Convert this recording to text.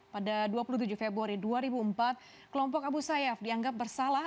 pada dua puluh tujuh februari dua ribu empat kelompok abu sayyaf dianggap bersalah